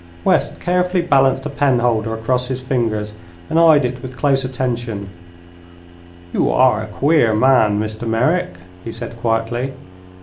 West carefully balanced a penholder across his fingers, and eyed it with close attention. "You are a queer man, Mr. Merrick," he said, quietly.